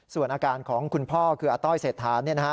ส่วนอาการของคุณพ่อคืออาต้อยเศรษฐาเนี่ยนะฮะ